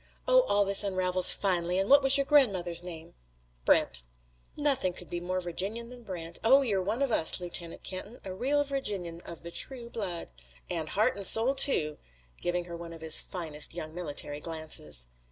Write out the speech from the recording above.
Oh, all this unravels finely. And what was your grandmother's name?" "Brent." "Nothing could be more Virginian than Brent. Oh, you're one of us, Lieutenant Kenton, a real Virginian of the true blood." "And heart and soul too!" giving her one of his finest young military glances.